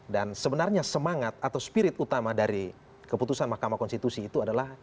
dan sebenarnya semangat atau spirit utama dari keputusan mahkamah konstitusi itu adalah